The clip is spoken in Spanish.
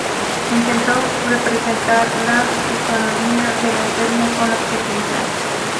Intentó representar la fisonomía del enfermo con objetividad.